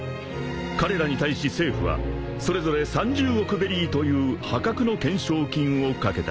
［彼らに対し政府はそれぞれ３０億ベリーという破格の懸賞金を懸けた］